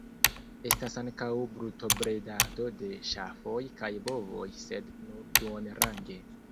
Estas ankaŭ brutobredado de ŝafoj kaj bovoj sed nur duonrange.